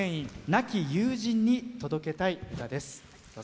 亡き友人に届けたい歌です。